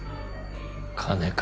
金か？